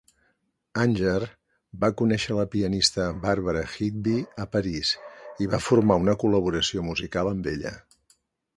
Anger va conèixer la pianista Barbara Higbie a París i va formar una col·laboració musical amb ella.